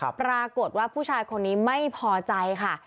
ปรากฏว่าผู้ชายคนนี้ไม่พอใจค่ะ